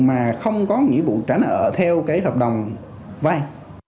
mà không có nghĩa vụ trả nợ theo cái hợp đồng vay